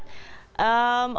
orang tuh kan pandangan